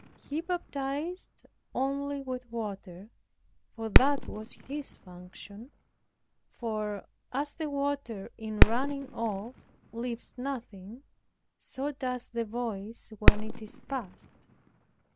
He baptized only with water, for that was his function; for, as the water in running off leaves nothing, so does the Voice when it is past.